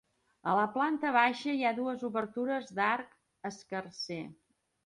A la planta baixa hi ha dues obertures d'arc escarser.